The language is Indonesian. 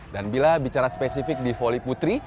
dan bila bicara spesifik di volley putri